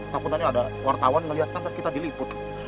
takutnya ada wartawan ngeliat nanti kita diliput